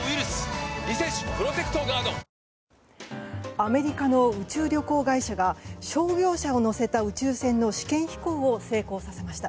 アメリカの宇宙旅行会社が商業者を乗せた宇宙船の試験飛行を成功させました。